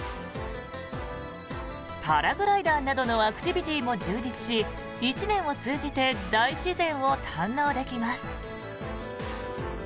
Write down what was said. パラグライダーなどのアクティビティーも充実し１年を通じて大自然を堪能できます。